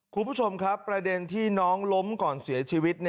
คุณผู้ชมครับประเด็นที่น้องล้มก่อนเสียชีวิต